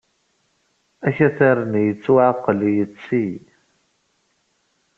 Akatar-nni yettwaɛeqqel yetti.